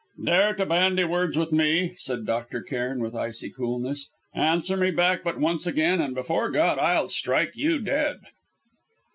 "Dare to bandy words with me," said Dr. Cairn, with icy coolness, "answer me back but once again, and before God I'll strike you dead!"